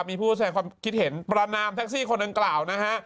มีผู้แสดงความคิดเห็นประนามแท็กซี่คนดังกล่าวนะฮะ